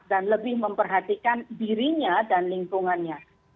dan lebih memperhatikan dirinya dan lingkungannya